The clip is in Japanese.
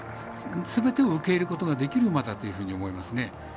すべてを受け入れることができる馬だというふうに思いますね。